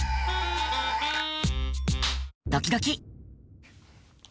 ドキドキ。